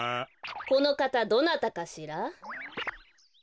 このかたどなたかしら？